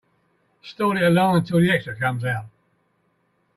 Stall it along until the extra comes out.